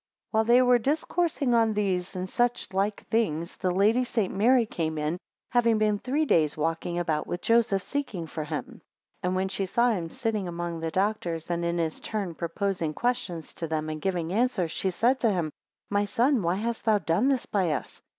22 While they were discoursing on these and such like things, the Lady St. Mary came in, having been three days walking about with Joseph, seeking for him. 23 And when she saw him sitting among the doctors, and in his turn proposing questions to them, and giving answers, she said to him, My son, why hast thou done thus by us?